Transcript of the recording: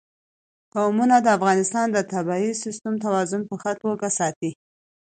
قومونه د افغانستان د طبعي سیسټم توازن په ښه توګه ساتي.